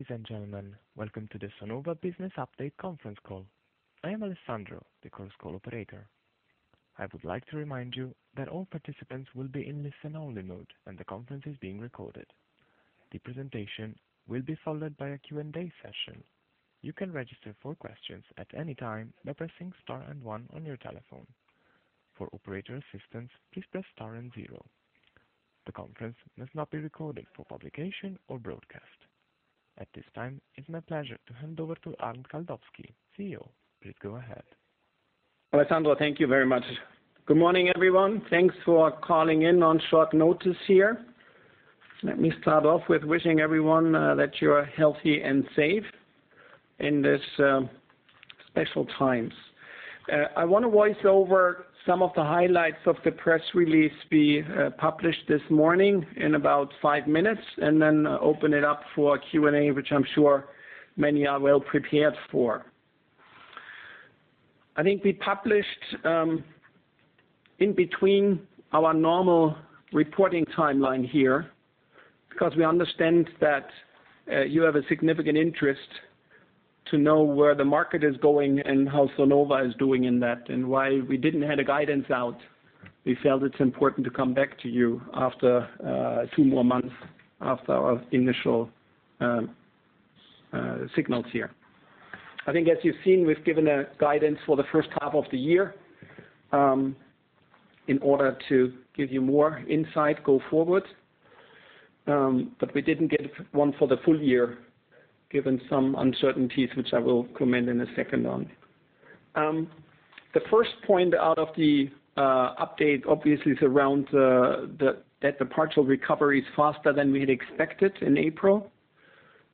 Ladies and gentlemen, welcome to the Sonova Business Update Conference Call. I am Alessandro, the conference call operator. I would like to remind you that all participants will be in listen-only mode and the conference is being recorded. The presentation will be followed by a Q&A session. You can register for questions at any time by pressing star and one on your telephone. For operator assistance, please press star and zero. The conference must not be recorded for publication or broadcast. At this time, it's my pleasure to hand over to Arnd Kaldowski, CEO. Please go ahead. Alessandro, thank you very much. Good morning, everyone. Thanks for calling in on short notice here. Let me start off with wishing everyone that you're healthy and safe in this special times. I want to voice over some of the highlights of the press release we published this morning in about five minutes, and then open it up for Q&A, which I'm sure many are well-prepared for. I think we published in between our normal reporting timeline here because we understand that you have a significant interest to know where the market is going and how Sonova is doing in that and why we didn't have the guidance out. We felt it's important to come back to you after two more months after our initial signals here. I think as you've seen, we've given a guidance for the first half of the year in order to give you more insight go forward. We didn't get one for the full year, given some uncertainties, which I will comment in a second on. The first point out of the update obviously is around that the partial recovery is faster than we had expected in April.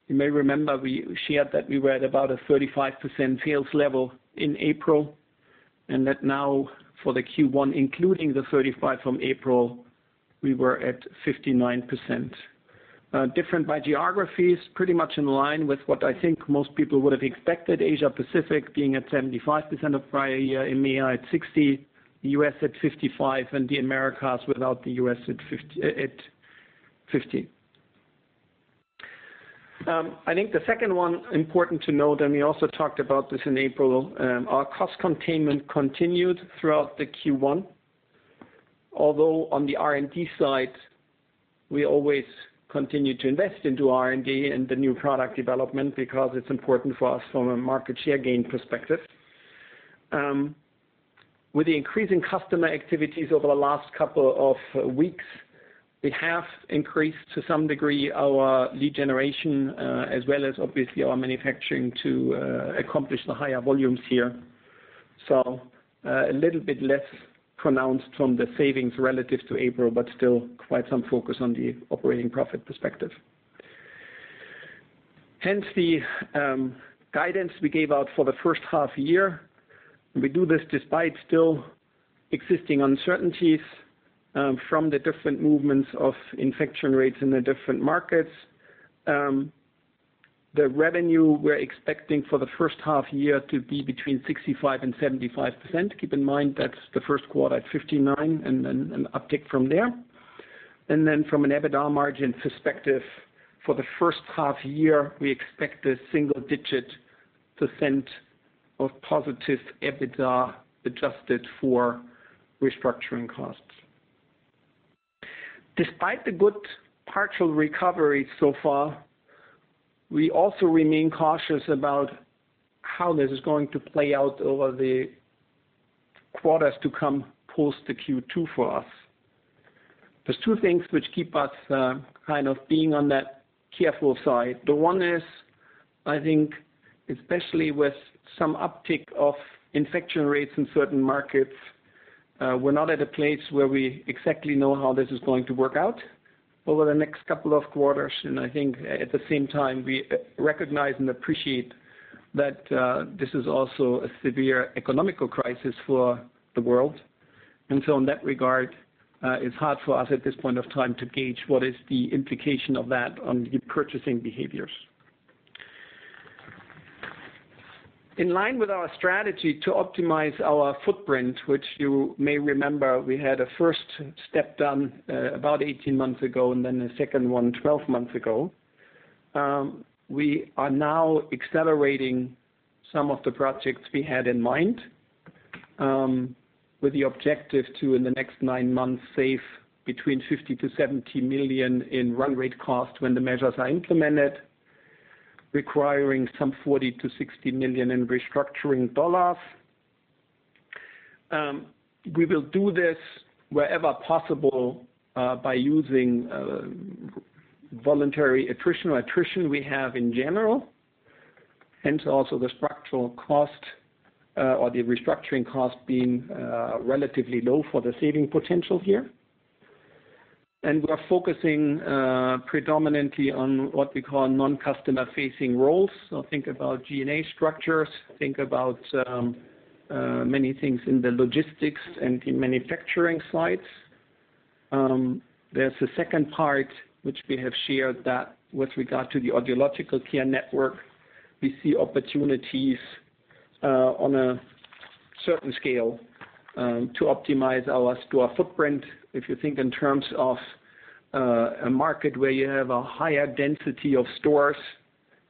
You may remember we shared that we were at about a 35% sales level in April, and that now for the Q1, including the 35 from April, we were at 59%. Different by geographies, pretty much in line with what I think most people would have expected. Asia Pacific being at 75% of prior year, EMEA at 60, U.S. at 55, and the Americas without the U.S. at 15. I think the second one important to note, and we also talked about this in April, our cost containment continued throughout the Q1. Although on the R&D side, we always continue to invest into R&D and the new product development because it's important for us from a market share gain perspective. With the increasing customer activities over the last couple of weeks, we have increased to some degree our lead generation, as well as obviously our manufacturing to accomplish the higher volumes here. A little bit less pronounced from the savings relative to April, but still quite some focus on the operating profit perspective. Hence the guidance we gave out for the first half year. We do this despite still existing uncertainties from the different movements of infection rates in the different markets. The revenue we're expecting for the first half year to be between 65% and 75%. Keep in mind that's the first quarter at 59% and then an uptick from there. From an EBITDA margin perspective, for the first half year, we expect a single-digit percent of positive EBITDA adjusted for restructuring costs. Despite the good partial recovery so far, we also remain cautious about how this is going to play out over the quarters to come post the Q2 for us. There's two things which keep us being on that careful side. The one is, I think, especially with some uptick of infection rates in certain markets, we're not at a place where we exactly know how this is going to work out over the next couple of quarters. I think at the same time, we recognize and appreciate that this is also a severe economic crisis for the world. In that regard, it's hard for us at this point of time to gauge what is the implication of that on the purchasing behaviors. In line with our strategy to optimize our footprint, which you may remember we had a first step done about 18 months ago, and then a second one 12 months ago. We are now accelerating some of the projects we had in mind, with the objective to, in the next nine months, save between 50 million-70 million in run rate cost when the measures are implemented, requiring some 40 million-60 million in restructuring. We will do this wherever possible, by using voluntary attrition or attrition we have in general. Hence also the structural cost or the restructuring cost being relatively low for the saving potential here. We are focusing predominantly on what we call non-customer-facing roles. Think about G&A structures, think about many things in the logistics and in manufacturing sites. There's a second part which we have shared that with regard to the audiological care network, we see opportunities on a certain scale to optimize our store footprint. If you think in terms of a market where you have a higher density of stores,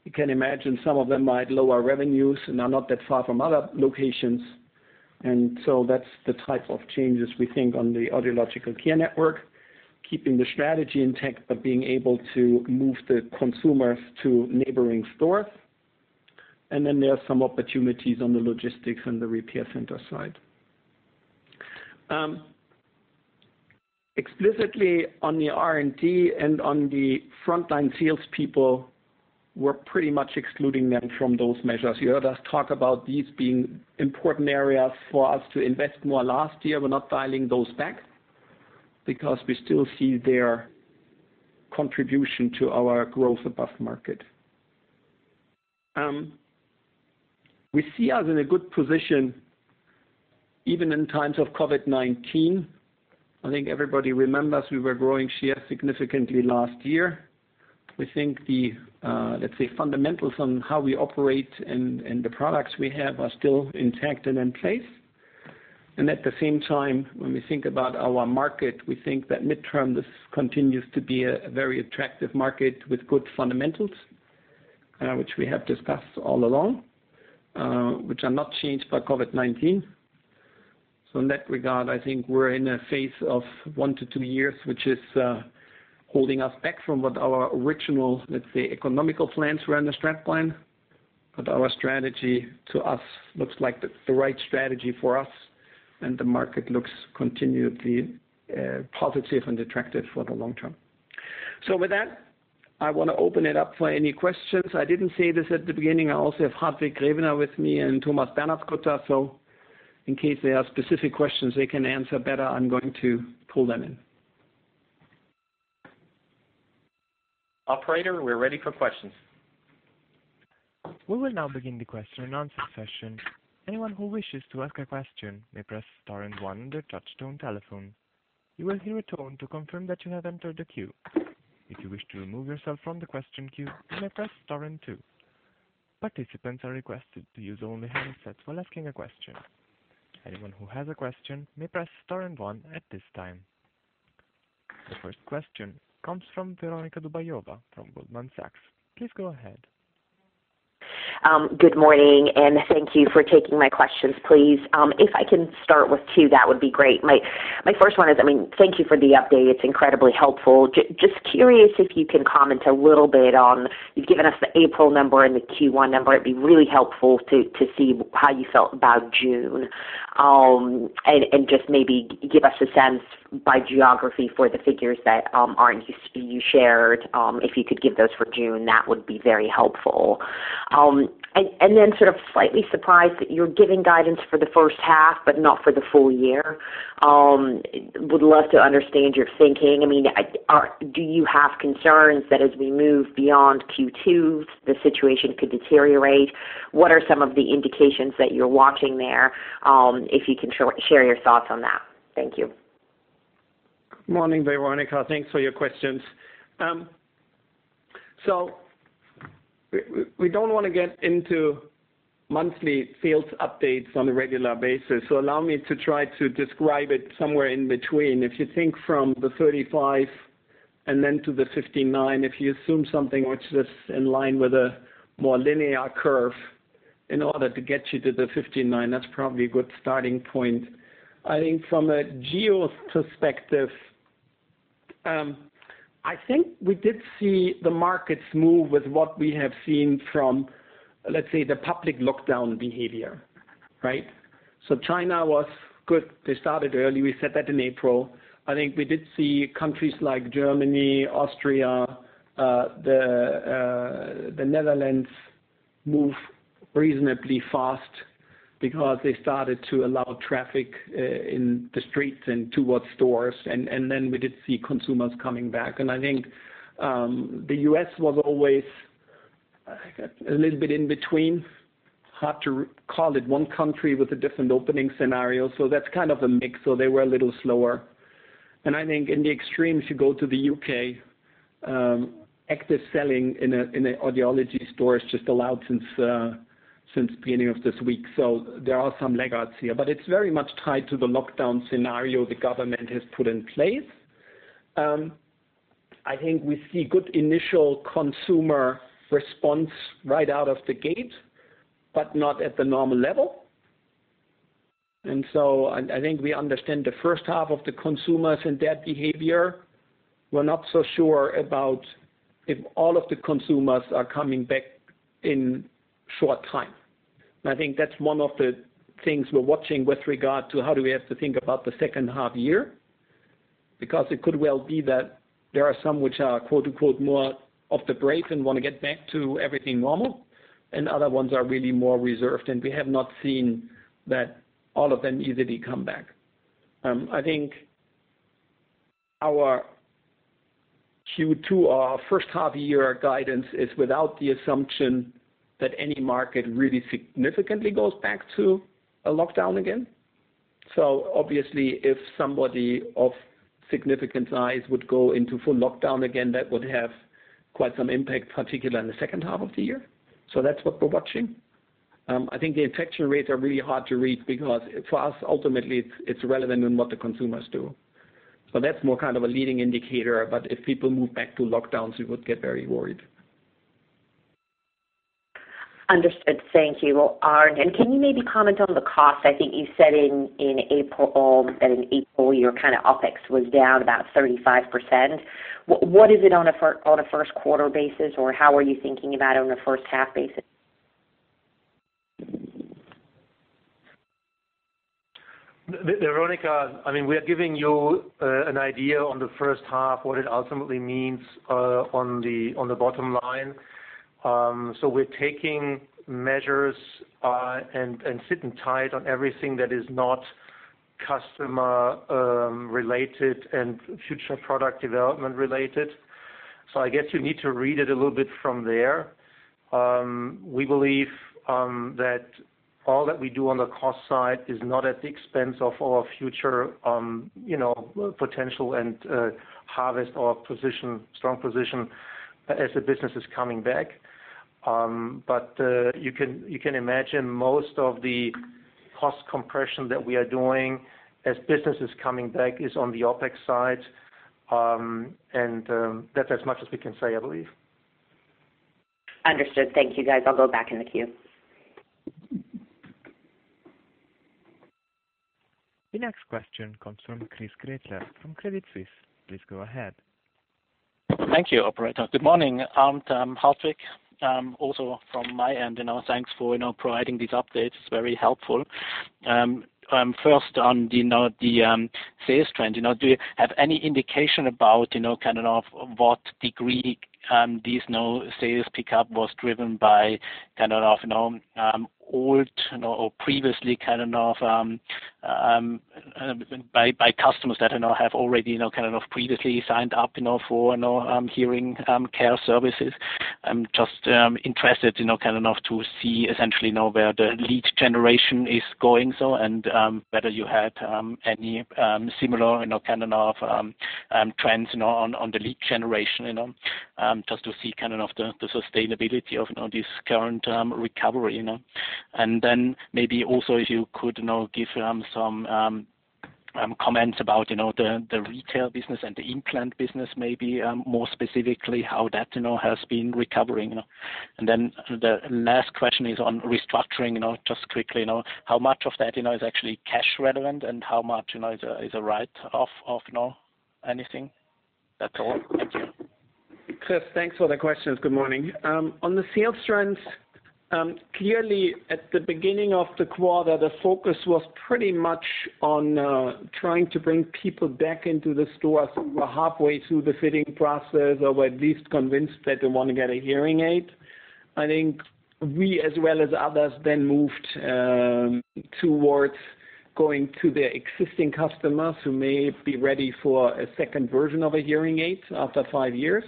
you can imagine some of them might lower revenues and are not that far from other locations. That's the type of changes we think on the audiological care network, keeping the strategy intact, but being able to move the consumers to neighboring stores. There are some opportunities on the logistics and the repair center side. Explicitly on the R&D and on the frontline salespeople, we're pretty much excluding them from those measures. You heard us talk about these being important areas for us to invest more last year. We're not dialing those back because we still see their contribution to our growth above market. We see us in a good position even in times of COVID-19. I think everybody remembers we were growing share significantly last year. We think the, let's say, fundamentals on how we operate and the products we have are still intact and in place. At the same time, when we think about our market, we think that midterm, this continues to be a very attractive market with good fundamentals, which we have discussed all along, which are not changed by COVID-19. In that regard, I think we're in a phase of one to two years, which is holding us back from what our original, let's say, economical plans were in the strat plan. Our strategy to us looks like the right strategy for us, and the market looks continually positive and attractive for the long term. With that, I want to open it up for any questions. I didn't say this at the beginning, I also have Hartwig Grewe with me and Thomas Bernhardsgrütter. In case there are specific questions they can answer better, I'm going to pull them in. Operator, we're ready for questions. We will now begin the question and answer session. Anyone who wishes to ask a question may press star and one on their touch-tone telephone. You will hear a tone to confirm that you have entered the queue. If you wish to remove yourself from the question queue, you may press star and two. Participants are requested to use only handsets while asking a question. Anyone who has a question may press star and one at this time. The first question comes from Veronika Dubajova from Goldman Sachs. Please go ahead. Good morning, thank you for taking my questions, please. If I can start with two, that would be great. My first one is, thank you for the update. It's incredibly helpful. Just curious if you can comment a little bit on, you've given us the April number and the Q1 number. It'd be really helpful to see how you felt about June. Just maybe give us a sense by geography for the figures that aren't you shared. If you could give those for June, that would be very helpful. Sort of slightly surprised that you're giving guidance for the first half, but not for the full year. Would love to understand your thinking. Do you have concerns that as we move beyond Q2, the situation could deteriorate? What are some of the indications that you're watching there? If you can share your thoughts on that. Thank you. Morning, Veronika. Thanks for your questions. We don't want to get into monthly field updates on a regular basis, so allow me to try to describe it somewhere in between. If you think from the 35 and then to the 59, if you assume something which is in line with a more linear curve in order to get you to the 59, that's probably a good starting point. I think from a geo perspective, I think we did see the markets move with what we have seen from, let's say, the public lockdown behavior. Right? China was good. They started early. We said that in April. We did see countries like Germany, Austria, the Netherlands move reasonably fast because they started to allow traffic in the streets and towards stores. We did see consumers coming back. I think the U.S. was always a little bit in between. Hard to call it one country with a different opening scenario. That's kind of a mix. They were a little slower. I think in the extremes, you go to the U.K., active selling in an audiology store is just allowed since beginning of this week. There are some lag outs here, but it's very much tied to the lockdown scenario the government has put in place. I think we see good initial consumer response right out of the gate, but not at the normal level. I think we understand the first half of the consumers and that behavior. We're not so sure about if all of the consumers are coming back in short time. I think that's one of the things we're watching with regard to how do we have to think about the second half year, because it could well be that there are some which are quote unquote more off the break and want to get back to everything normal. Other ones are really more reserved, and we have not seen that all of them easily come back. I think our Q2, our first half year guidance is without the assumption that any market really significantly goes back to a lockdown again. Obviously if somebody of significant size would go into full lockdown again, that would have quite some impact, particularly in the second half of the year. That's what we're watching. I think the infection rates are really hard to read because for us, ultimately it's relevant in what the consumers do. That's more kind of a leading indicator. If people move back to lockdowns, we would get very worried. Understood. Thank you, Arnd. Can you maybe comment on the cost? I think you said that in April, your OpEx was down about 35%. What is it on a first quarter basis, or how are you thinking about it on a first half basis? Veronika, we are giving you an idea on the first half, what it ultimately means on the bottom line. We're taking measures, and sitting tight on everything that is not customer related and future product development related. I guess you need to read it a little bit from there. We believe that all that we do on the cost side is not at the expense of our future potential and harvest our strong position as the business is coming back. You can imagine most of the cost compression that we are doing as business is coming back is on the OpEx side. That's as much as we can say, I believe. Understood. Thank you, guys. I'll go back in the queue. The next question comes from Christoph Gretler from Credit Suisse. Please go ahead. Thank you, operator. Good morning, Arnd, Hartwig. Also from my end, thanks for providing these updates. It's very helpful. First on the sales trend, do you have any indication about what degree these sales pickup was driven by customers that have already previously signed up for hearing care services? I'm just interested to see essentially now where the lead generation is going, so and whether you had any similar kind of trends on the lead generation. Just to see the sustainability of this current recovery. Maybe also if you could give some comments about the retail business and the implant business maybe, more specifically how that has been recovering. The last question is on restructuring, just quickly. How much of that is actually cash relevant, and how much is a write-off of anything? That's all. Thank you. Chris, thanks for the questions. Good morning. On the sales trends, clearly at the beginning of the quarter, the focus was pretty much on trying to bring people back into the stores who were halfway through the fitting process or were at least convinced that they want to get a hearing aid. I think we, as well as others, moved towards going to the existing customers who may be ready for a second version of a hearing aid after five years.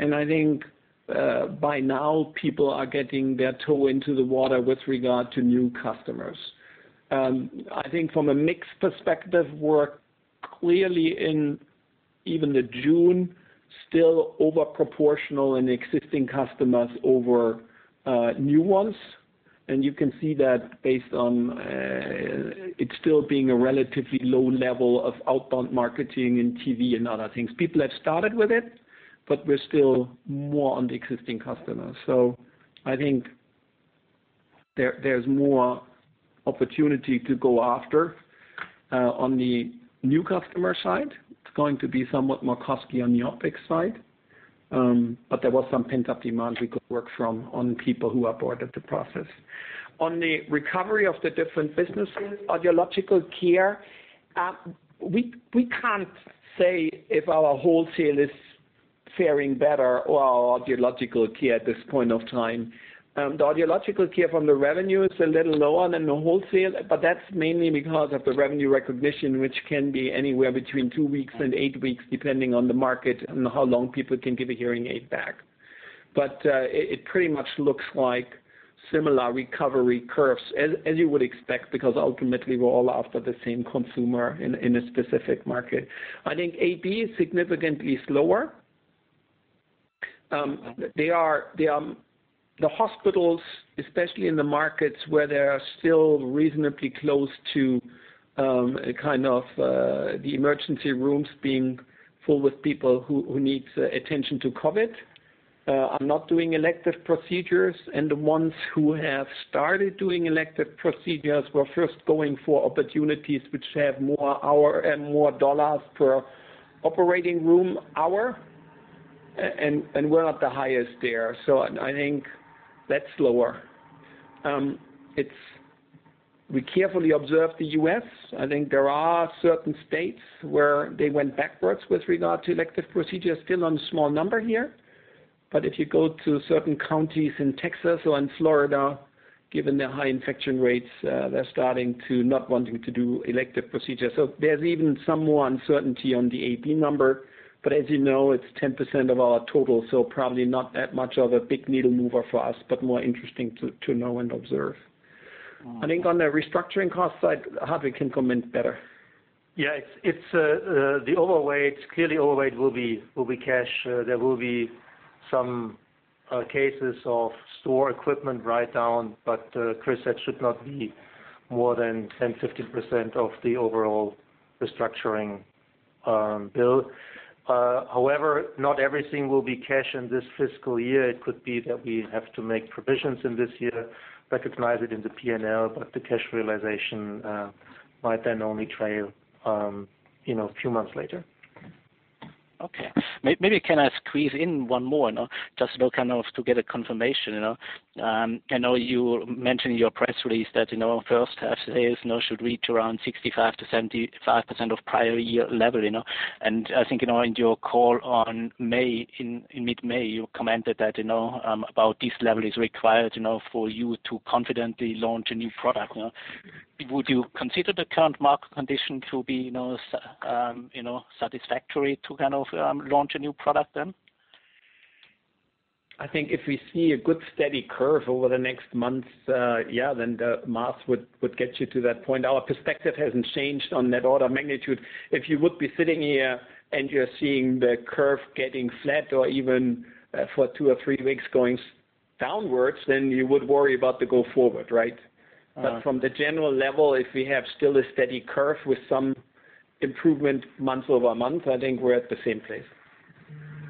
I think by now people are getting their toe into the water with regard to new customers. I think from a mix perspective, we're clearly in even the June, still over proportional in existing customers over new ones. You can see that based on it still being a relatively low level of outbound marketing and TV and other things. People have started with it, we're still more on the existing customers. I think there's more opportunity to go after on the new customer side. It's going to be somewhat more costly on the OpEx side. There was some pent-up demand we could work from on people who aborted the process. On the recovery of the different businesses, audiological care, we can't say if our wholesale is faring better or our audiological care at this point of time. The audiological care from the revenue is a little lower than the wholesale, but that's mainly because of the revenue recognition, which can be anywhere between two weeks and eight weeks, depending on the market and how long people can give a hearing aid back. It pretty much looks like similar recovery curves as you would expect because ultimately we're all after the same consumer in a specific market. I think ASP is significantly slower. The hospitals, especially in the markets where they are still reasonably close to the emergency rooms being full with people who need attention to COVID, are not doing elective procedures, and the ones who have started doing elective procedures were first going for opportunities which have more hour and more CHF per operating room hour. We're not the highest there, so I think that's lower. We carefully observe the U.S. I think there are certain states where they went backwards with regard to elective procedures. Still on small number here. If you go to certain counties in Texas or in Florida, given the high infection rates, they're starting to not wanting to do elective procedures. There's even some more uncertainty on the ASP number. As you know, it's 10% of our total, so probably not that much of a big needle mover for us, but more interesting to know and observe. I think on the restructuring cost side, Hartwig can comment better. Yes. The overweight, clearly overweight will be cash. There will be some cases of store equipment write-down, but Chris, that should not be more than 10%-15% of the overall restructuring bill. However, not everything will be cash in this fiscal year. It could be that we have to make provisions in this year, recognize it in the P&L, but the cash realization might then only trail few months later. Okay. Maybe can I squeeze in one more now? Just to get a confirmation. I know you mentioned in your press release that first half sales should reach around 65%-75% of prior year level. I think, in your call in mid-May, you commented that about this level is required for you to confidently launch a new product. Would you consider the current market condition to be satisfactory to launch a new product then? I think if we see a good, steady curve over the next months, then the math would get you to that point. Our perspective hasn't changed on that order of magnitude. If you would be sitting here and you're seeing the curve getting flat or even for two or three weeks going downwards, then you would worry about the go forward, right? From the general level, if we have still a steady curve with some improvement month-over-month, I think we're at the same place.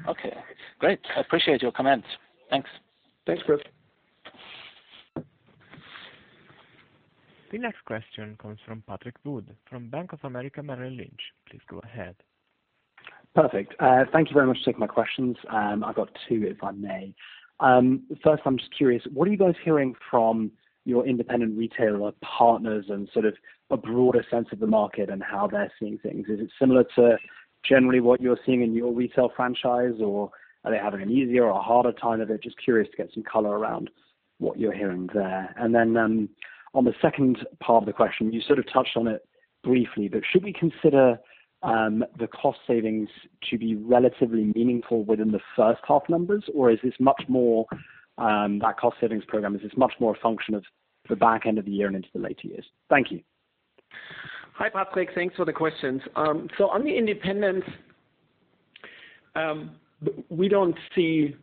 Okay, great. I appreciate your comments. Thanks. Thanks, Chris. The next question comes from Patrick Wood, from Bank of America Merrill Lynch. Please go ahead. Perfect. Thank you very much for taking my questions. I've got two, if I may. First I'm just curious, what are you guys hearing from your independent retailer partners and sort of a broader sense of the market and how they're seeing things? Is it similar to generally what you're seeing in your retail franchise, or are they having an easier or a harder time? I'm just curious to get some color around what you're hearing there. Then, on the second part of the question, you sort of touched on it briefly, but should we consider the cost savings to be relatively meaningful within the first half numbers, or is this much more, that cost savings program, is this much more a function of the back end of the year and into the later years? Thank you. Hi, Patrick. Thanks for the questions. On the independents, we don't see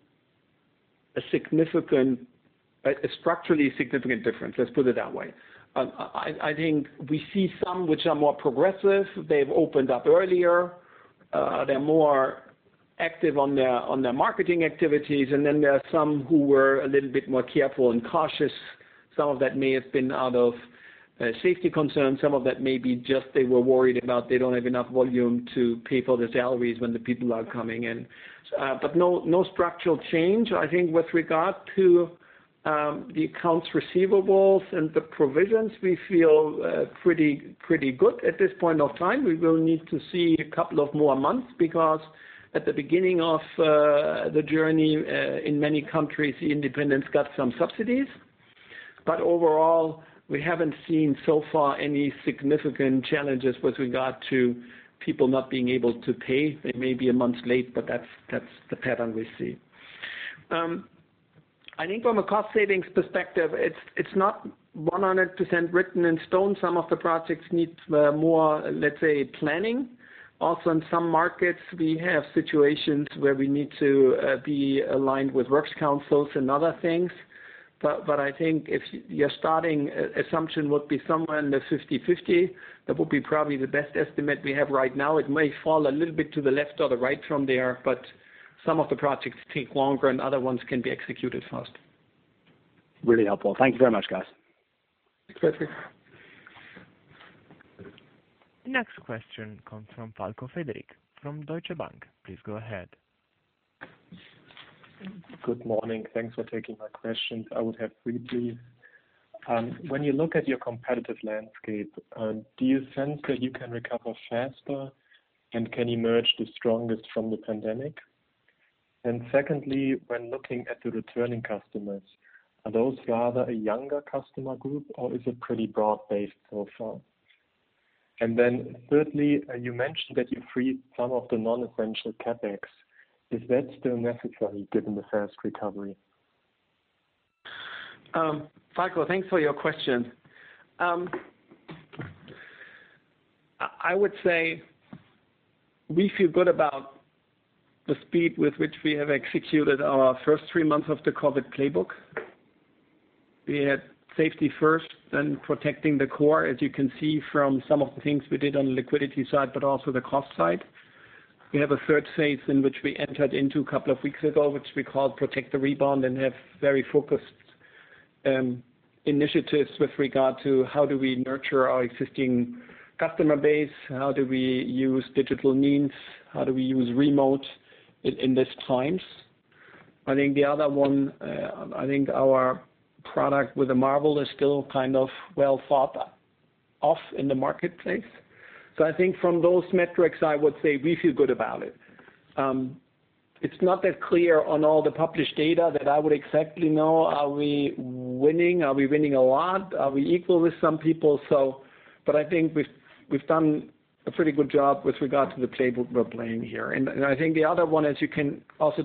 a structurally significant difference, let's put it that way. I think we see some which are more progressive. They've opened up earlier. They're more active on their marketing activities. There are some who were a little bit more careful and cautious. Some of that may have been out of safety concerns. Some of that may be just they were worried about they don't have enough volume to pay for the salaries when the people are coming in. No structural change. I think with regard to the accounts receivables and the provisions, we feel pretty good at this point of time. We will need to see a couple of more months because at the beginning of the journey, in many countries, the independents got some subsidies. Overall, we haven't seen so far any significant challenges with regard to people not being able to pay. They may be a month late, but that's the pattern we see. I think from a cost savings perspective, it's not 100% written in stone. Some of the projects need more, let's say, planning. Also, in some markets, we have situations where we need to be aligned with works councils and other things. I think if your starting assumption would be somewhere in the 50/50, that would be probably the best estimate we have right now. It may fall a little bit to the left or the right from there, but some of the projects take longer and other ones can be executed fast. Really helpful. Thank you very much, guys. Thanks, Patrick. The next question comes from Falko Friedrichs, from Deutsche Bank. Please go ahead. Good morning. Thanks for taking my questions. I would have three, please. When you look at your competitive landscape, do you sense that you can recover faster and can emerge the strongest from the pandemic? Secondly, when looking at the returning customers, are those rather a younger customer group, or is it pretty broad-based so far? Thirdly, you mentioned that you freed some of the non-essential CapEx. Is that still necessary given the fast recovery? Falko, thanks for your questions. I would say we feel good about the speed with which we have executed our first three months of the COVID-19 playbook. We had safety first, then protecting the core, as you can see from some of the things we did on the liquidity side, but also the cost side. We have a third phase in which we entered into a couple of weeks ago, which we call Protect the Rebound, and have very focused initiatives with regard to how do we nurture our existing customer base, how do we use digital means, how do we use remote in these times. I think the other one, I think our product with the Marvel is still kind of well thought of in the marketplace. I think from those metrics, I would say we feel good about it. It's not that clear on all the published data that I would exactly know, are we winning? Are we winning a lot? Are we equal with some people? I think we've done a pretty good job with regard to the playbook we're playing here. I think the other one, as you can also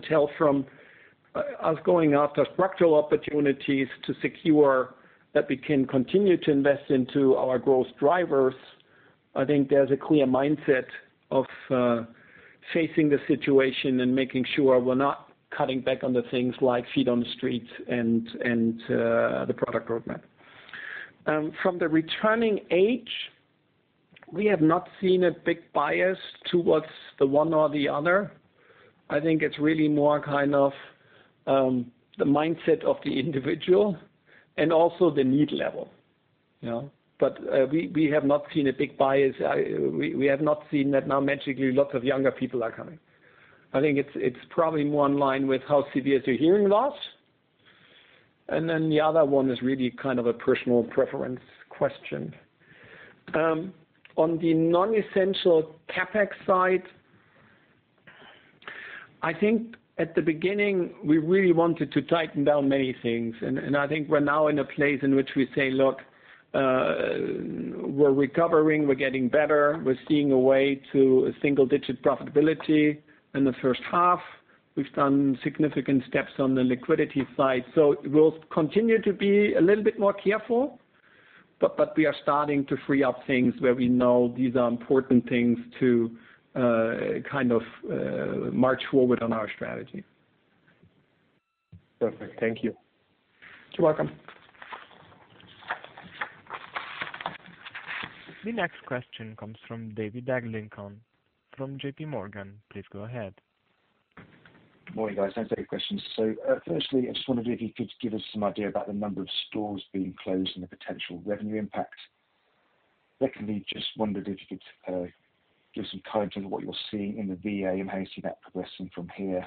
tell from us going after structural opportunities to secure that we can continue to invest into our growth drivers. I think there's a clear mindset of facing the situation and making sure we're not cutting back on the things like feet on the street and the product roadmap. From the returning age, we have not seen a big bias towards the one or the other. I think it's really more the mindset of the individual and also the need level. We have not seen a big bias. We have not seen that now magically lots of younger people are coming. I think it's probably more in line with how severe is your hearing loss, and then the other one is really a personal preference question. On the non-essential CapEx side, I think at the beginning, we really wanted to tighten down many things. I think we're now in a place in which we say, "Look, we're recovering, we're getting better. We're seeing a way to a single-digit profitability in the first half. We've done significant steps on the liquidity side." We'll continue to be a little bit more careful, but we are starting to free up things where we know these are important things to march forward on our strategy. Perfect. Thank you. You're welcome. The next question comes from David Adlington from JPMorgan. Please go ahead. Morning, guys. Thanks for taking the questions. Firstly, I just wondered if you could give us some idea about the number of stores being closed and the potential revenue impact. Secondly, just wondered if you could give some color to what you're seeing in the VA and how you see that progressing from here.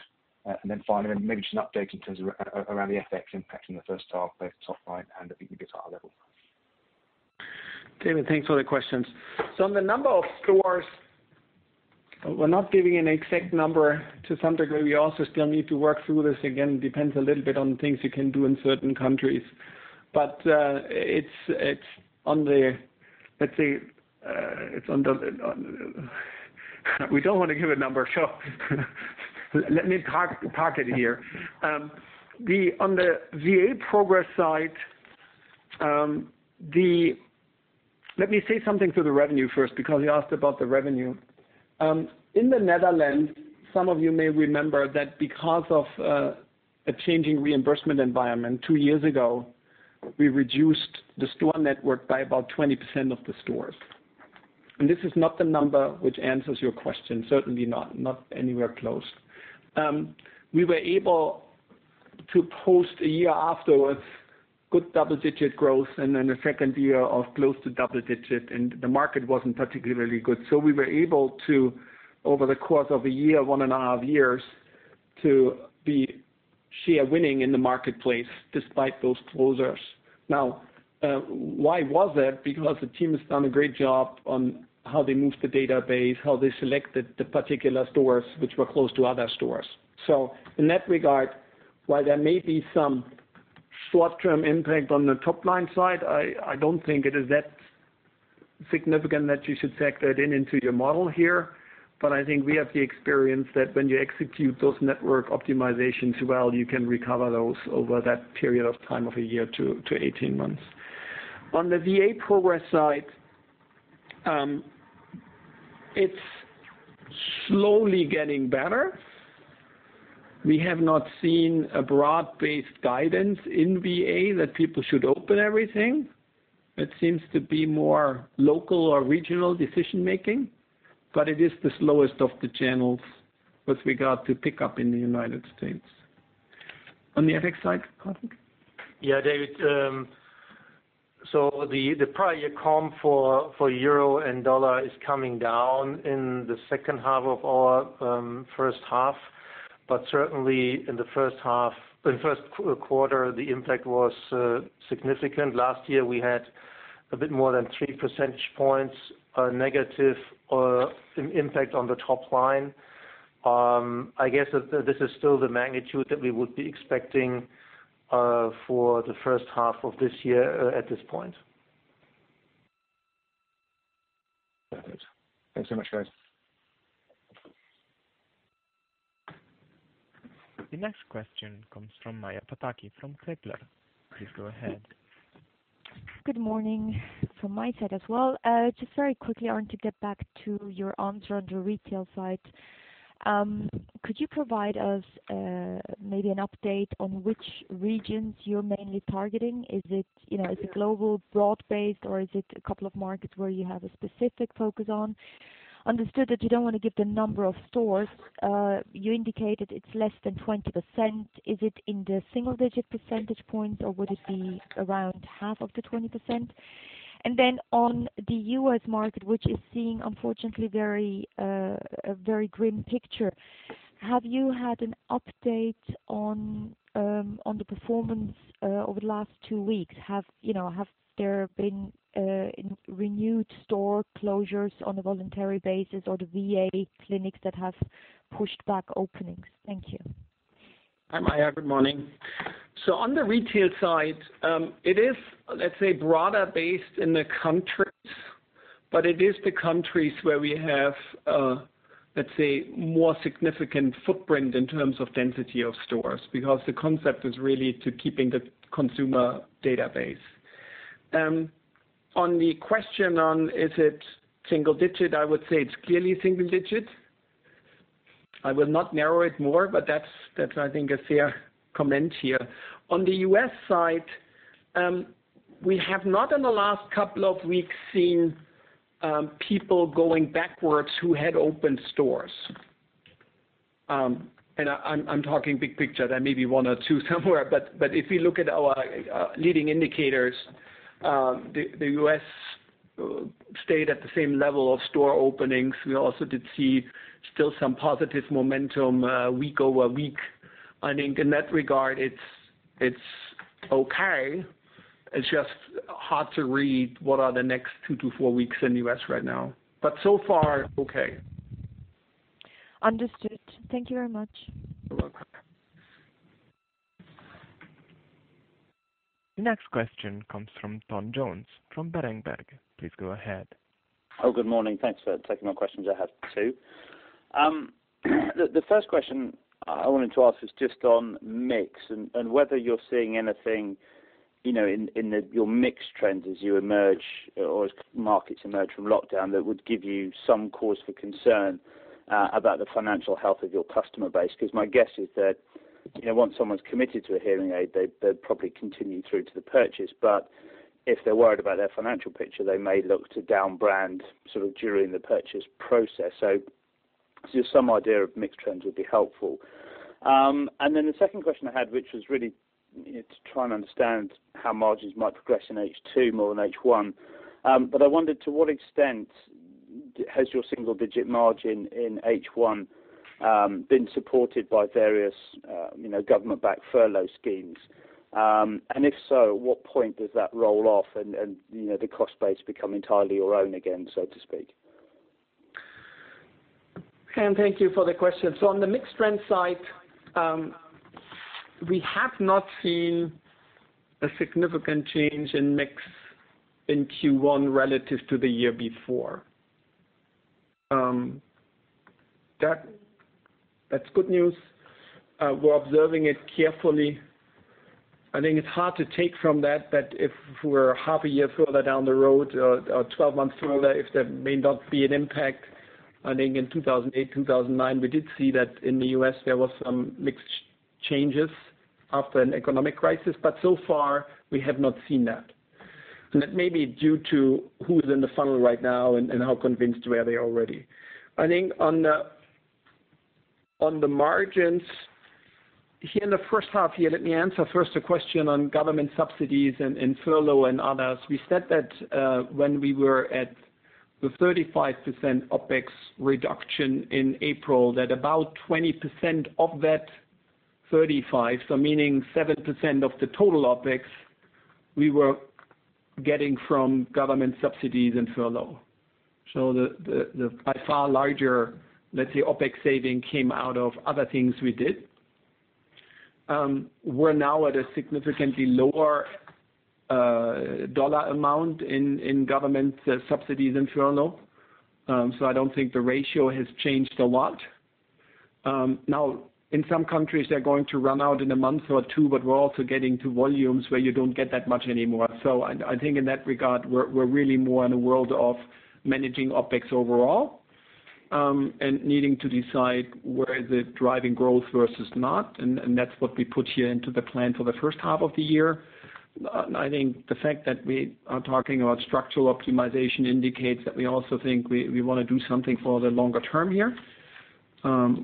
Finally, maybe just an update in terms around the FX impact in the first half, both top line and the EBITDA level. David, thanks for the questions. On the number of stores, we're not giving an exact number. To some degree, we also still need to work through this. Again, it depends a little bit on things you can do in certain countries. We don't want to give a number, let me park it here. On the VA progress side, let me say something to the revenue first, because you asked about the revenue. In the Netherlands, some of you may remember that because of a changing reimbursement environment two years ago, we reduced the store network by about 20% of the stores. This is not the number which answers your question, certainly not, anywhere close. We were able to post a year afterwards, good double-digit growth, then a second year of close to double digit, the market wasn't particularly good. We were able to, over the course of a year, one and a half years, to be share winning in the marketplace despite those closures. Why was that? The team has done a great job on how they moved the database, how they selected the particular stores which were close to other stores. In that regard, while there may be some short-term impact on the top-line side, I don't think it is that significant that you should factor it in into your model here. I think we have the experience that when you execute those network optimizations well, you can recover those over that period of time of a year to 18 months. On the VA progress side, it's slowly getting better. We have not seen a broad-based guidance in VA that people should open everything. It seems to be more local or regional decision making, but it is the slowest of the channels with regard to pickup in the U.S. On the FX side, Hartwig? Yeah, David. The prior year comp for EUR and CHF is coming down in the second half of our first half. Certainly in the first quarter, the impact was significant. Last year, we had a bit more than 3 percentage points negative impact on the top line. I guess this is still the magnitude that we would be expecting for the first half of this year at this point. Perfect. Thanks so much, guys. The next question comes from Maja Pataki from Kepler. Please go ahead. Good morning from my side as well. Just very quickly, Arnd, to get back to your answer on the retail side. Could you provide us maybe an update on which regions you're mainly targeting? Is it global, broad-based, or is it a couple of markets where you have a specific focus on? Understood that you don't want to give the number of stores. You indicated it's less than 20%. Is it in the single-digit percentage points, or would it be around half of the 20%? Then on the U.S. market, which is seeing, unfortunately, a very grim picture, have you had an update on the performance over the last two weeks? Have there been renewed store closures on a voluntary basis or the VA clinics that have pushed back openings? Thank you. Hi, Maja, good morning. On the retail side, it is, let's say, broader based in the countries. It is the countries where we have, let's say, more significant footprint in terms of density of stores, because the concept is really to keeping the consumer database. On the question on is it single digit, I would say it's clearly single digit. I will not narrow it more, but that's I think a fair comment here. On the U.S. side, we have not in the last couple of weeks seen people going backwards who had opened stores. I'm talking big picture, there may be one or two somewhere. If we look at our leading indicators, the U.S. stayed at the same level of store openings. We also did see still some positive momentum week over week. I think in that regard, it's okay. It's just hard to read what are the next 2-4 weeks in U.S. right now. So far, okay. Understood. Thank you very much. You're welcome. The next question comes from Tom Jones from Berenberg. Please go ahead. Good morning. Thanks for taking my questions. I have two. The first question I wanted to ask is just on mix and whether you're seeing anything in your mix trends as you emerge or as markets emerge from lockdown that would give you some cause for concern about the financial health of your customer base, because my guess is that once someone's committed to a hearing aid, they'd probably continue through to the purchase. If they're worried about their financial picture, they may look to down brand during the purchase process. Just some idea of mix trends would be helpful. The second question I had, which was really to try and understand how margins might progress in H2 more than H1. I wondered to what extent has your single-digit margin in H1 been supported by various government-backed furlough schemes? If so, at what point does that roll off and the cost base become entirely your own again, so to speak? Tom, thank you for the question. On the mix trend side, we have not seen a significant change in mix in Q1 relative to the year before. That's good news. We're observing it carefully. I think it's hard to take from that if we're half a year further down the road or 12 months further, if there may not be an impact. I think in 2008, 2009, we did see that in the U.S., there was some mix changes after an economic crisis, but so far we have not seen that. That may be due to who's in the funnel right now and how convinced were they already. I think on the margins here in the first half here, let me answer first a question on government subsidies and furlough and others. We said that when we were at the 35% OpEx reduction in April, that about 20% of that 35%, so meaning 7% of the total OpEx, we were getting from government subsidies and furlough. The, by far larger, let's say, OpEx saving came out of other things we did. We're now at a significantly lower dollar amount in government subsidies and furlough. I don't think the ratio has changed a lot. In some countries, they're going to run out in a month or two. We're also getting to volumes where you don't get that much anymore. I think in that regard, we're really more in a world of managing OpEx overall, and needing to decide where is it driving growth versus not. That's what we put here into the plan for the first half of the year. I think the fact that we are talking about structural optimization indicates that we also think we wanna do something for the longer term here,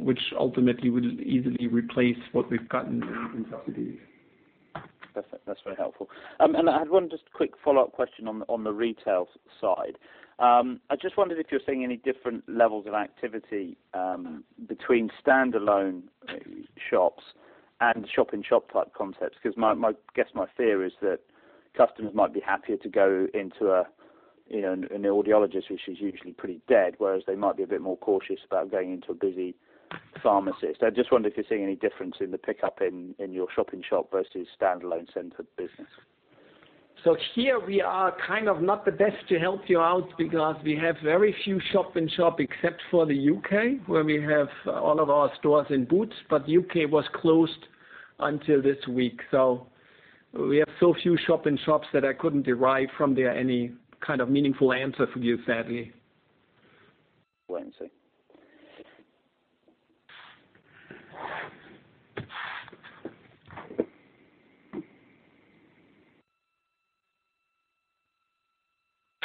which ultimately would easily replace what we've gotten in subsidies. Perfect. That's very helpful. I had one just quick follow-up question on the retail side. I just wondered if you're seeing any different levels of activity between standalone shops and shop-in-shop type concepts, because I guess my fear is that customers might be happier to go into an audiologist, which is usually pretty dead, whereas they might be a bit more cautious about going into a busy pharmacist. I just wonder if you're seeing any difference in the pickup in your shop-in-shop versus standalone centered business. Here we are kind of not the best to help you out because we have very few shop-in-shop except for the U.K. where we have all of our stores in Boots, but the U.K. was closed until this week. We have so few shop-in-shops that I couldn't derive from there any kind of meaningful answer for you, sadly. I see.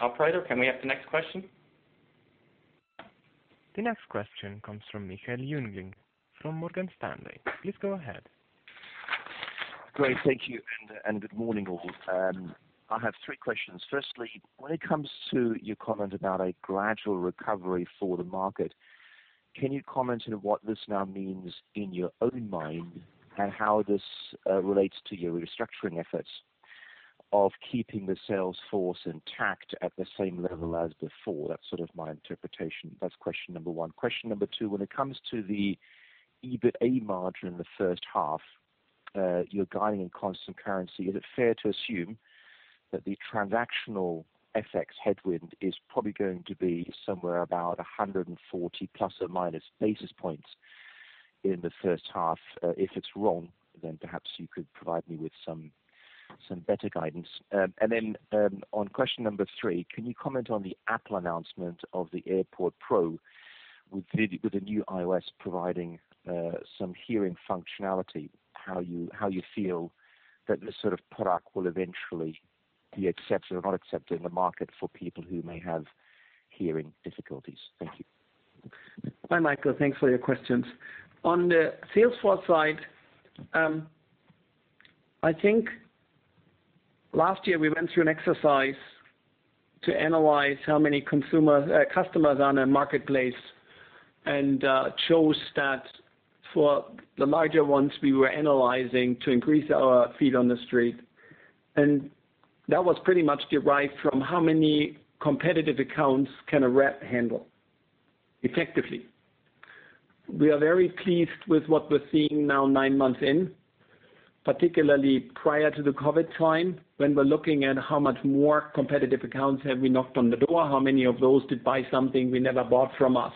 Operator, can we have the next question? The next question comes from Michael Jungling from Morgan Stanley. Please go ahead. Great. Thank you, and good morning, all. I have 3 questions. Firstly, when it comes to your comment about a gradual recovery for the market, can you comment on what this now means in your own mind and how this relates to your restructuring efforts of keeping the sales force intact at the same level as before? That's sort of my interpretation. That's question number 1. Question number 2, when it comes to the EBITDA margin in the first half you're guiding in constant currency. Is it fair to assume that the transactional FX headwind is probably going to be somewhere about 140 ± basis points in the first half? If it's wrong, perhaps you could provide me with some better guidance. On question number 3, can you comment on the Apple announcement of the AirPods Pro with the new iOS providing some hearing functionality? How you feel that this sort of product will eventually be accepted or not accepted in the market for people who may have hearing difficulties. Thank you. Hi, Michael. Thanks for your questions. On the Salesforce side, I think last year we went through an exercise to analyze how many customers are in the marketplace and it shows that for the larger ones, we were analyzing to increase our feet on the street. That was pretty much derived from how many competitive accounts can a rep handle effectively. We are very pleased with what we're seeing now nine months in, particularly prior to the COVID time, when we're looking at how much more competitive accounts have we knocked on the door, how many of those did buy something we never bought from us.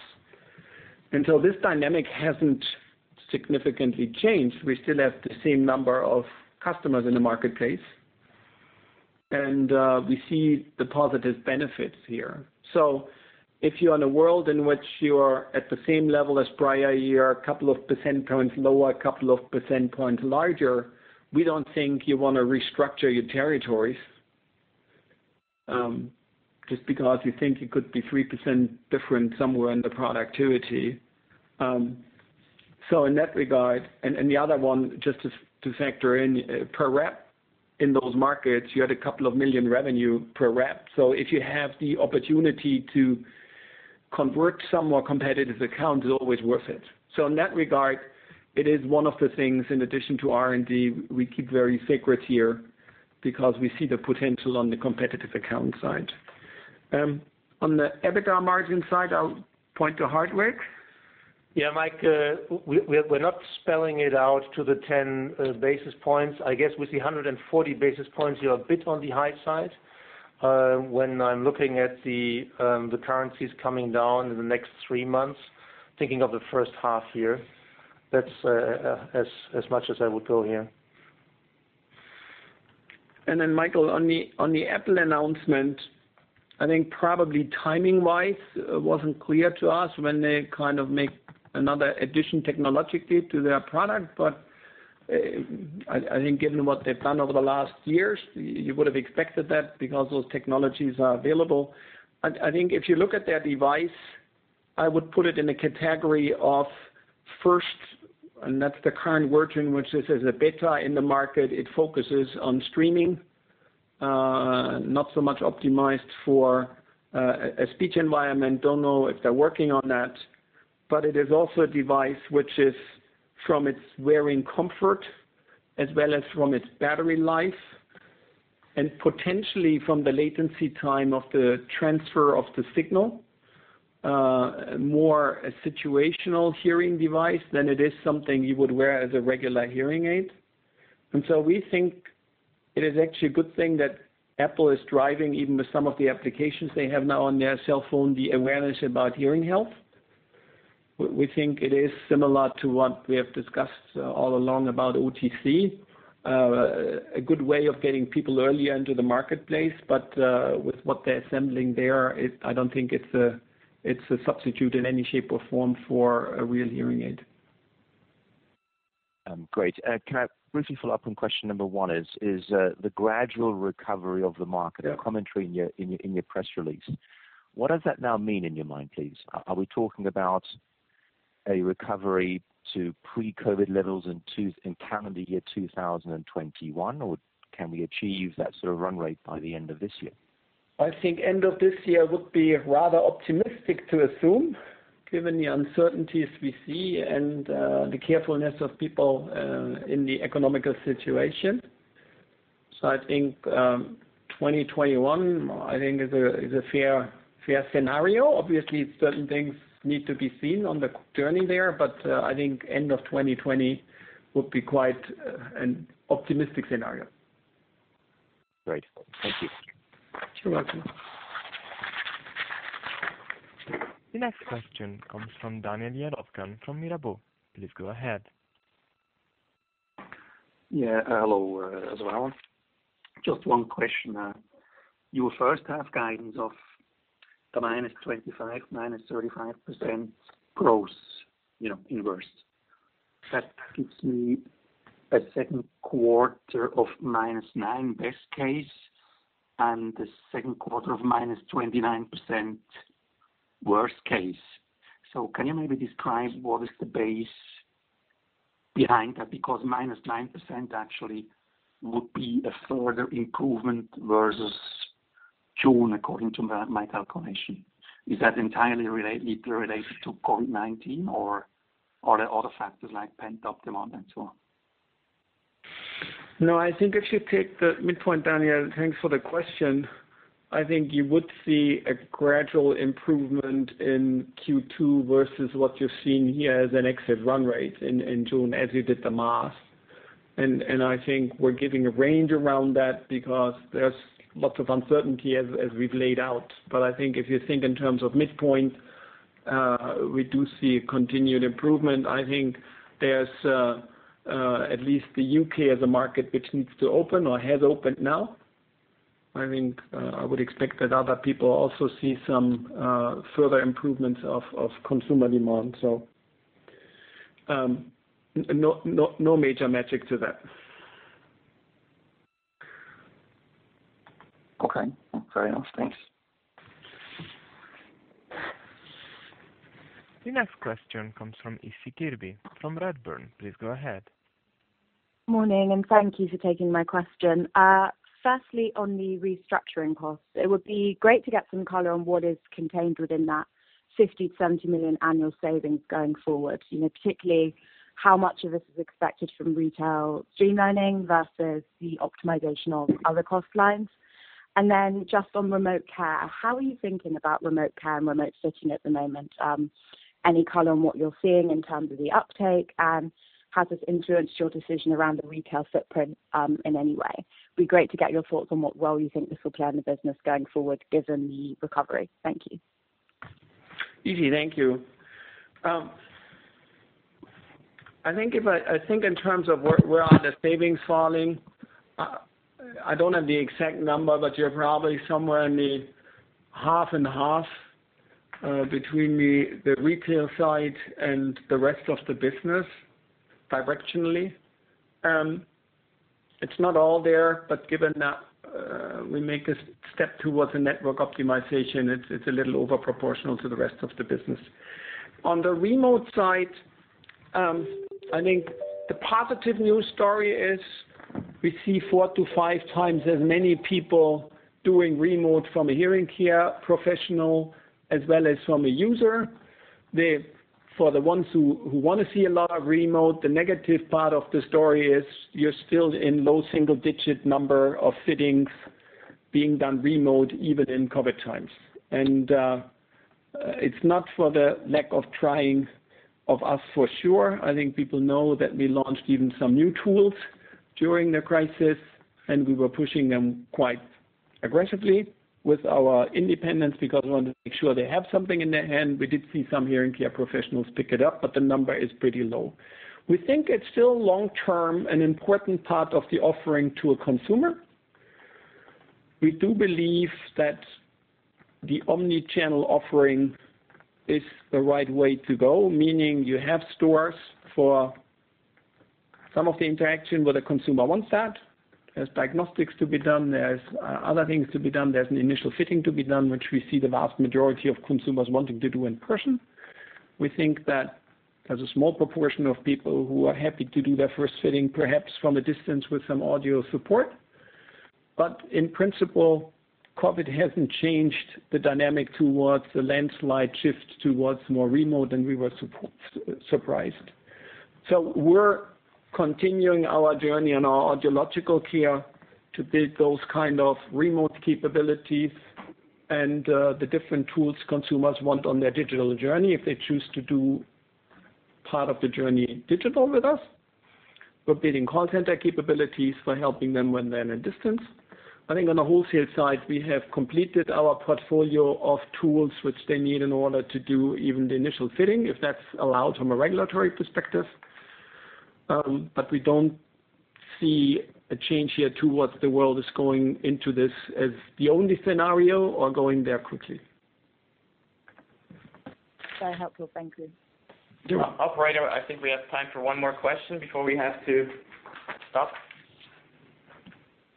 This dynamic hasn't significantly changed. We still have the same number of customers in the marketplace. We see the positive benefits here. If you're in a world in which you are at the same level as prior year, a couple of percent points lower, a couple of percent points larger, we don't think you want to restructure your territories, just because you think you could be 3% different somewhere in the productivity. In that regard, and the other one just to factor in per rep in those markets, you had a couple of million CHF revenue per rep. If you have the opportunity to convert some more competitive accounts, it's always worth it. In that regard, it is one of the things in addition to R&D, we keep very sacred here because we see the potential on the competitive account side. On the EBITDA margin side, I'll point to Hartwig. Yeah, Mike, we're not spelling it out to the 10 basis points. I guess with the 140 basis points, you're a bit on the high side. When I'm looking at the currencies coming down in the next three months, thinking of the first half year, that's as much as I would go here. Michael, on the Apple announcement, I think probably timing-wise, it wasn't clear to us when they make another addition technologically to their product, but I think given what they've done over the last years, you would have expected that because those technologies are available. I think if you look at their device, I would put it in a category of first, and that's the current version, which this is a beta in the market. It focuses on streaming, not so much optimized for a speech environment. Don't know if they're working on that, but it is also a device which is from its wearing comfort as well as from its battery life and potentially from the latency time of the transfer of the signal, more a situational hearing device than it is something you would wear as a regular hearing aid. We think it is actually a good thing that Apple is driving even with some of the applications they have now on their cell phone, the awareness about hearing health. We think it is similar to what we have discussed all along about OTC, a good way of getting people earlier into the marketplace, but with what they're assembling there, I don't think it's a substitute in any shape or form for a real hearing aid. Great. Can I briefly follow up on question number one? Is the gradual recovery of the market- Yeah the commentary in your press release. What does that now mean in your mind, please? Are we talking about a recovery to pre-COVID levels in calendar year 2021, or can we achieve that sort of run rate by the end of this year? I think end of this year would be rather optimistic to assume given the uncertainties we see and the carefulness of people in the economical situation. I think 2021, I think is a fair scenario. Obviously, certain things need to be seen on the journey there, I think end of 2020 would be quite an optimistic scenario. Great. Thank you. You're welcome. The next question comes from Daniel Jelovcan from Mirabaud. Please go ahead. Yeah. Hello as well. Just one question. Your first half guidance of the -25% to -35% gross inverse. That gives me a second quarter of -9% best case and the second quarter of -29% worst case. Can you maybe describe what is the base behind that? -9% actually would be a further improvement versus June according to my calculation. Is that entirely related to COVID-19 or are there other factors like pent up demand and so on? No, I think if you take the midpoint, Daniel, thanks for the question. I think you would see a gradual improvement in Q2 versus what you're seeing here as an exit run rate in June as we did the math. I think we're giving a range around that because there's lots of uncertainty as we've laid out. I think if you think in terms of midpoint, we do see continued improvement. I think there's at least the U.K. as a market which needs to open or has opened now. I think I would expect that other people also see some further improvements of consumer demand. No major magic to that. Okay. Fair enough. Thanks. The next question comes from Issie Kirby from Redburn. Please go ahead. Morning. Thank you for taking my question. Firstly, on the restructuring costs, it would be great to get some color on what is contained within that 50 million-70 million annual savings going forward. Particularly, how much of this is expected from retail streamlining versus the optimization of other cost lines? Just on remote care, how are you thinking about remote care and remote fitting at the moment? Any color on what you're seeing in terms of the uptake, and has this influenced your decision around the retail footprint in any way? It'd be great to get your thoughts on what role you think this will play in the business going forward given the recovery. Thank you. Issie, thank you. I think in terms of where are the savings falling, I don't have the exact number, but you're probably somewhere in the half and half, between the retail side and the rest of the business directionally. It's not all there, given that we make a step towards a network optimization, it's a little over proportional to the rest of the business. On the remote side, I think the positive news story is we see 4 to 5 times as many people doing remote from a hearing care professional as well as from a user. For the ones who want to see a lot of remote, the negative part of the story is you're still in low single-digit number of fittings being done remote even in COVID-19 times. It's not for the lack of trying of us, for sure. I think people know that we launched even some new tools during the crisis, and we were pushing them quite aggressively with our independents because we wanted to make sure they have something in their hand. We did see some hearing care professionals pick it up, but the number is pretty low. We think it's still long-term, an important part of the offering to a consumer. We do believe that the omni-channel offering is the right way to go, meaning you have stores for some of the interaction where the consumer wants that. There's diagnostics to be done, there's other things to be done, there's an initial fitting to be done, which we see the vast majority of consumers wanting to do in person. We think that there's a small proportion of people who are happy to do their first fitting, perhaps from a distance with some audio support. In principle, COVID hasn't changed the dynamic towards a landslide shift towards more remote than we were surprised. We're continuing our journey in our audiological care to build those kind of remote capabilities and the different tools consumers want on their digital journey if they choose to do part of the journey digital with us. We're building call center capabilities for helping them when they're in a distance. I think on the wholesale side, we have completed our portfolio of tools which they need in order to do even the initial fitting, if that's allowed from a regulatory perspective. We don't see a change here towards the world is going into this as the only scenario or going there quickly. Very helpful. Thank you. You're welcome. Operator, I think we have time for one more question before we have to stop.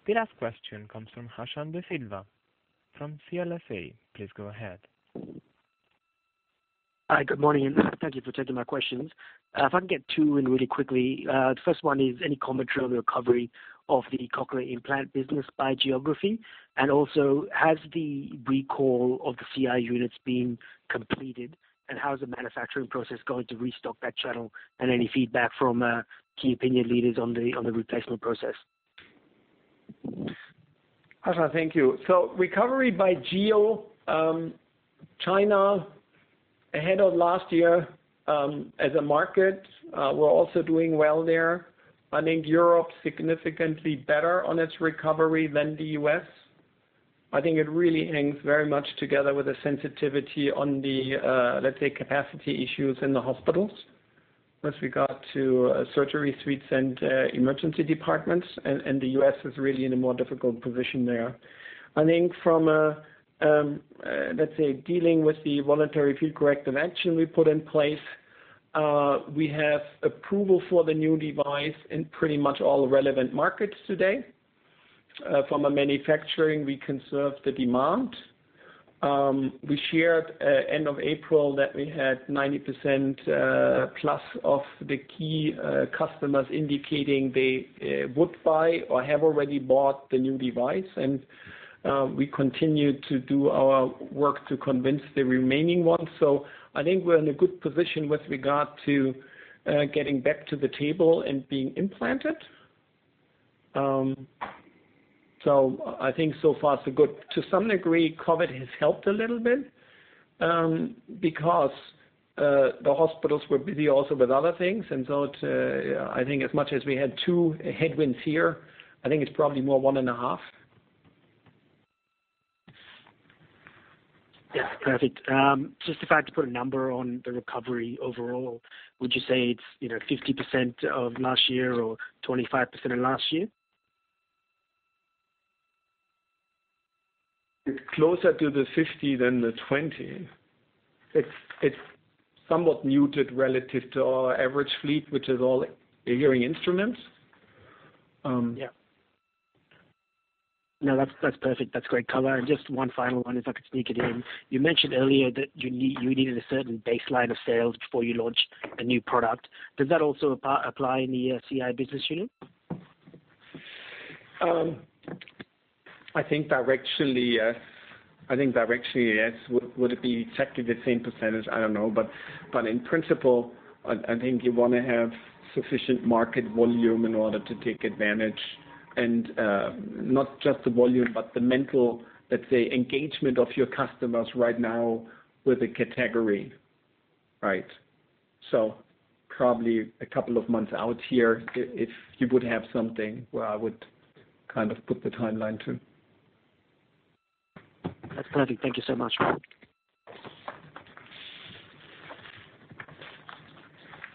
The last question comes from Hassan de Silva from CLSA. Please go ahead. Hi, good morning. Thank you for taking my questions. If I can get two in really quickly. The first one is any commentary on the recovery of the cochlear implant business by geography, and also has the recall of the CI units been completed, and how is the manufacturing process going to restock that channel? Any feedback from key opinion leaders on the replacement process? Hassan, thank you. Recovery by geo. China handled last year, as a market. We're also doing well there. I think Europe significantly better on its recovery than the U.S. I think it really hangs very much together with the sensitivity on the, let's say, capacity issues in the hospitals with regard to surgery suites and emergency departments. The U.S. is really in a more difficult position there. I think from a, let's say, dealing with the voluntary field corrective action we put in place, we have approval for the new device in pretty much all relevant markets today. From a manufacturing, we can serve the demand. We shared end of April that we had 90% plus of the key customers indicating they would buy or have already bought the new device, and we continue to do our work to convince the remaining ones. I think we're in a good position with regard to getting back to the table and being implanted. I think so far so good. To some degree, COVID has helped a little bit, because the hospitals were busy also with other things. I think as much as we had two headwinds here, I think it's probably more one and a half. Yeah. Perfect. Just if I had to put a number on the recovery overall, would you say it's 50% of last year or 25% of last year? It's closer to the 50 than the 20. It's somewhat muted relative to our average fleet, which is all hearing instruments. Yeah. No, that's perfect. That's great color. Just one final one, if I could sneak it in. You mentioned earlier that you needed a certain baseline of sales before you launch a new product. Does that also apply in the CI business unit? I think directionally, yes. Would it be exactly the same %? I don't know. In principle, I think you want to have sufficient market volume in order to take advantage. Not just the volume, but the mental, let's say, engagement of your customers right now with the category. Probably a couple of months out here if you would have something where I would put the timeline to. That's perfect. Thank you so much.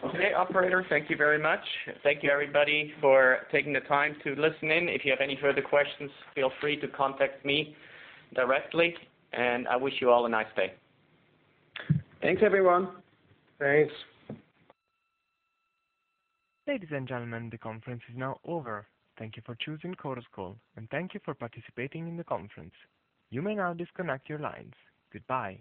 Okay, operator, thank you very much. Thank you, everybody, for taking the time to listen in. If you have any further questions, feel free to contact me directly. I wish you all a nice day. Thanks, everyone. Thanks. Ladies and gentlemen, the conference is now over. Thank you for choosing Chorus Call, and thank you for participating in the conference. You may now disconnect your lines. Goodbye.